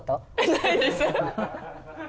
ないです。